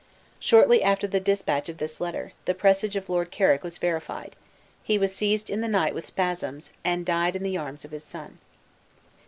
Shortly after the dispatch of this letter, the presage of Lord Carrick was verified; he was seized in the night with spasms, and died in the arms of his son.